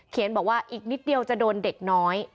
บอกว่าอีกนิดเดียวจะโดนเด็กน้อย